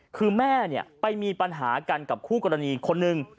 คือแม่ไปมีปัญหากันกับคู่กรณีคนหนึ่ง